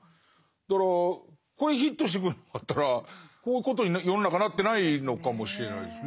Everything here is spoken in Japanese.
だからこれヒットしてくれなかったらこういうことに世の中なってないのかもしれないですね。